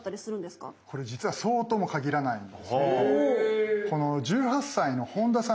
これ実はそうとも限らないんですよね。